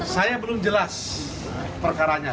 saya belum jelas perkara ini